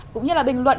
cũng như là bình luận